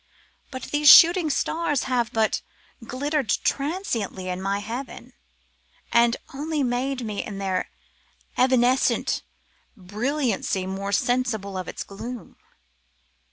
But these shooting stars have but glittered transiently in my heaven, and only made me, by their evanescent brilliancy, more sensible of its gloom.